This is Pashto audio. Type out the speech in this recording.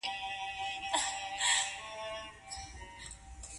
سفیران کله د ډیپلوماسۍ اصول کاروي؟